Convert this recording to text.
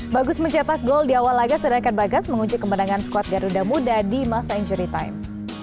bagus mencetak gol di awal laga sedangkan bagas mengunci kemenangan skuad garuda muda di masa injury time